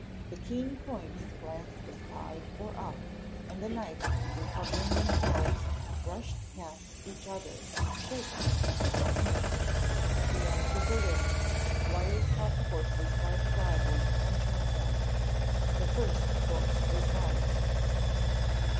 The keen points glanced aside or up, and the knights, recovering themselves, rushed past each other, shaken but unhurt. At the ends of the lists the squires caught the horses by the bridles and turned them. The first course was run.